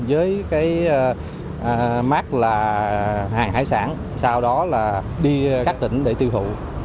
với cái mát là hàng hải sản sau đó là đi các tỉnh để tiêu thụ